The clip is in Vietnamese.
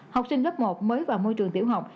học sinh lớp một mới vào môi trường tiểu học